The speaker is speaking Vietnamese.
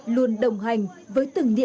luôn đồng hành với từng nhân dân